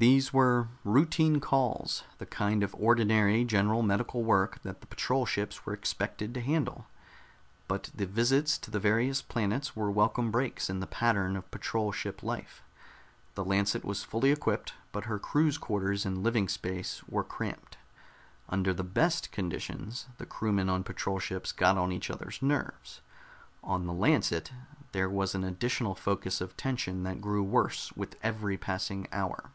These were routine calls, the kind of ordinary general medical work that the patrol ships were expected to handle. But the visits to the various planets were welcome breaks in the pattern of patrol ship life. The Lancet was fully equipped, but her crew's quarters and living space were cramped. Under the best conditions, the crewmen on patrol ships got on each other's nerves; on the Lancet there was an additional focus of tension that grew worse with every passing hour.